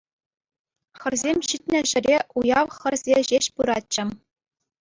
Хӗрсем ҫитнӗ ҫӗре уяв хӗрсе ҫеҫ пыратчӗ.